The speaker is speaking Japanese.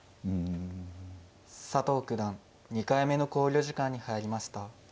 佐藤九段２回目の考慮時間に入りました。